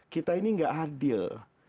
kita ini tidak adil